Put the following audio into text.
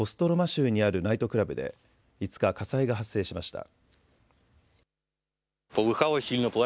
州にあるナイトクラブで５日、火災が発生しました。